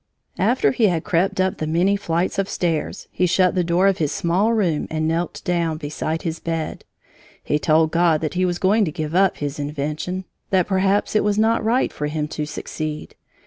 After he had crept up the many flights of stairs, he shut the door of his small room and knelt down beside his bed. He told God that he was going to give up his invention that perhaps it was not right for him to succeed.